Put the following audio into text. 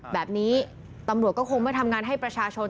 แบบนี้ตำรวจก็คงไม่ทำงานให้ประชาชน